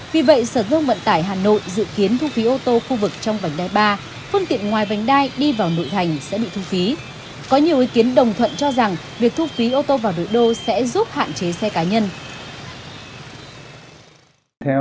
vì vậy sở dương vận tải hà nội dự kiến thu phí ô tô khu vực trong vành đai ba phương tiện ngoài vành đai đi vào nội thành sẽ bị thu phí